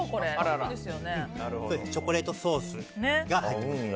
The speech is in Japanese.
チョコレートソースが入ってます。